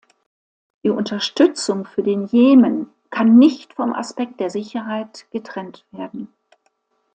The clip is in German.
Die Unterstützung für den Jemen kann nicht vom Aspekt der Sicherheit getrennt werden.